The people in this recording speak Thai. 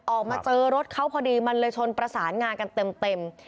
ออกมาเจอรถเขาพอดีมันเลยชนประสานงานกันเต็ม